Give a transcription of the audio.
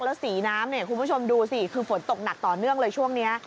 แล้วสีน้ำเนี่ยคุณผู้ชมดูสิคือฝนตกหนักต่อเนื่องเลยช่วงนี้